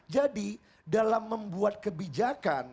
jadi dalam membuat kebijakan